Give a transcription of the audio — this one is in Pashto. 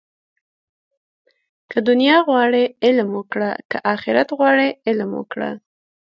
که دنیا غواړې، علم وکړه. که آخرت غواړې علم وکړه